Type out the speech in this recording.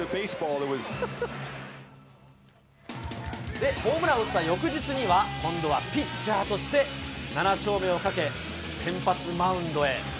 で、ホームランを打った翌日には、今度はピッチャーとして７勝目をかけ、先発マウンドへ。